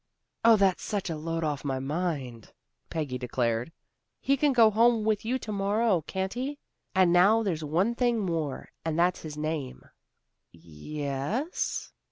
"Oh, that's such a load off my mind," Peggy declared. "He can go with you to morrow, can't he? And now there's one thing more, and that's his name." "Yes?"